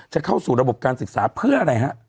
เข้าสู่ระบบการศึกษาเพื่ออะไรฮะ